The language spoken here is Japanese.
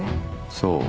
そう。